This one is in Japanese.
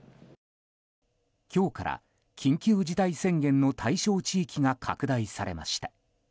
今日から緊急事態宣言の対象地域が拡大されました。